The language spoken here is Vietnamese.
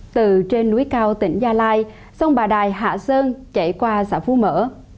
từ trên núi cao tỉnh gia lai sông bà đài hạ sơn chảy qua xã phú mỡ